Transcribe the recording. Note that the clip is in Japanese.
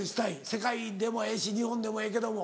世界でもええし日本でもええけども。